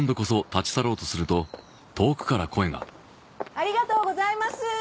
ありがとうございます！